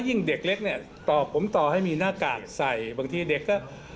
จะยุดโรงเรียนที่ธรรมวิทยาลัยแรงเลี้ยง